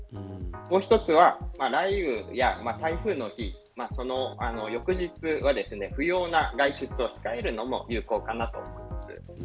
もう一つは、雷雨や台風の日その翌日は不要な外出を控えるのも有効かなと思います。